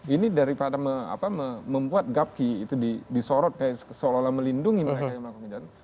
ini daripada membuat gapki itu disorot seolah olah melindungi mereka yang melakukan kejahatan